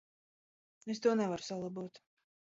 Es to nevaru salabot.